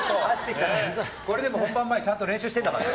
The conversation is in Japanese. これでも本番前ちゃんと練習してるんだからね。